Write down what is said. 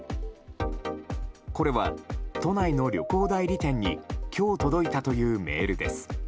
これは、都内の旅行代理店に今日届いたというメールです。